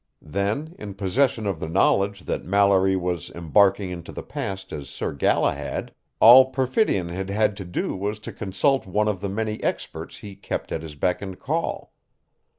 Then, in possession of the knowledge that Mallory was embarking into the past as Sir Galahad, all Perfidion had had to do was to consult one of the many experts he kept at his beck and call.